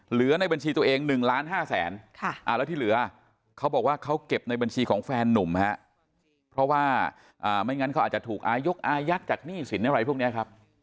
ในบัญชีตัวเอง๑ล้าน๕แสนแล้วที่เหลือเขาบอกว่าเขาเก็บในบัญชีของแฟนนุ่มฮะเพราะว่าไม่งั้นเขาอาจจะถูกอายกอายัดจากหนี้สินอะไรพวกนี้ครับ